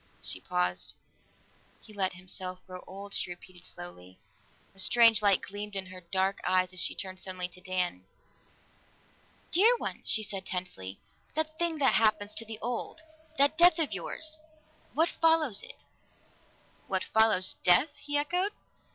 She paused. "He let himself grow old," she repeated slowly. A strange light gleamed in her dark eyes as she turned suddenly to Dan. "Dear one!" she said tensely. "That thing that happens to the old that death of yours! What follows it?" "What follows death?" he echoed.